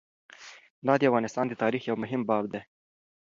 دا د افغانستان د تاریخ یو مهم باب دی.